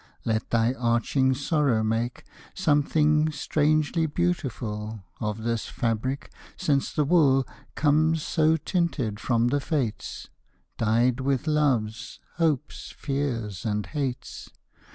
Let thy aching sorrow make Something strangely beautiful Of this fabric, since the wool Comes so tinted from the Fates, Dyed with loves, hopes, fears, and hates.